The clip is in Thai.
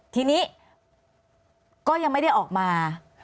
ทีนี้ก็ยังไม่ได้ออกมา